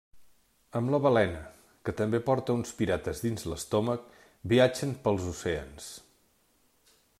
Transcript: Amb la balena, que també porta uns pirates dins l'estómac, viatgen pels oceans.